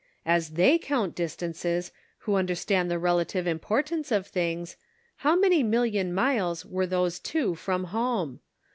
As they count distances, who un derstand the relative importance of things, how many million miles were those two from home